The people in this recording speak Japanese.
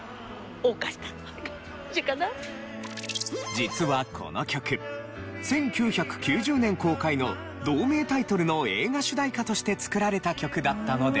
実はこの曲１９９０年公開の同名タイトルの映画主題歌として作られた曲だったのですが。